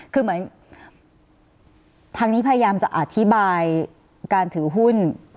คือเหมือนทางนี้พยายามจะอธิบายการถือหุ้น